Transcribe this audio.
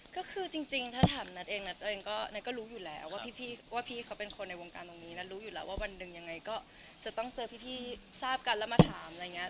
ก็คือจริงถ้าถามนัทเองนัทตัวเองก็นัทก็รู้อยู่แล้วว่าพี่ว่าพี่เขาเป็นคนในวงการตรงนี้นัทรู้อยู่แล้วว่าวันหนึ่งยังไงก็จะต้องเจอพี่ทราบกันแล้วมาถามอะไรอย่างนี้